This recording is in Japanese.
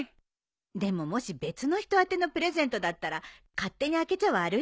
でももし別の人宛てのプレゼントだったら勝手に開けちゃ悪いよね。